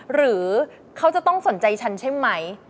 หรือเขาจะต้องสนใจฉันใช่ไหม